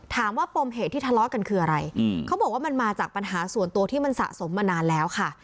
ปมเหตุที่ทะเลาะกันคืออะไรเขาบอกว่ามันมาจากปัญหาส่วนตัวที่มันสะสมมานานแล้วค่ะ